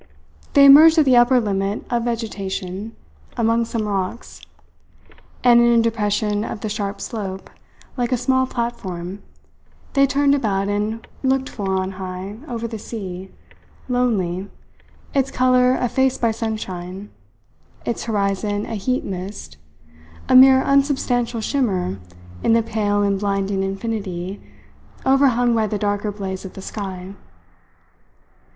They emerged at the upper limit of vegetation, among some rocks; and in a depression of the sharp slope, like a small platform, they turned about and looked from on high over the sea, lonely, its colour effaced by sunshine, its horizon a heat mist, a mere unsubstantial shimmer in the pale and blinding infinity overhung by the darker blaze of the sky.